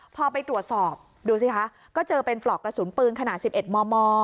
พอไปตรวจสอบดูสิคะก็เจอเป็นปลอกกระสุนปืนขนาด๑๑มม